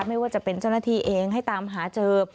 ไม่ว่าจะเป็นเจ้าหน้าที่เองให้ตามหาเจอ